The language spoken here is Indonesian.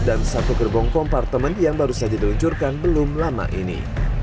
dan satu gerbong kompartemen yang baru saja diluncurkan belum lama ini